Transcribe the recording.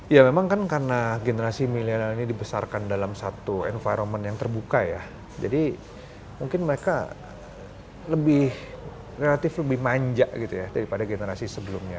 ya memang kan karena generasi milenial ini dibesarkan dalam satu environment yang terbuka ya jadi mungkin mereka lebih relatif lebih manja gitu ya daripada generasi sebelumnya